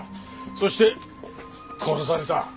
そして殺された。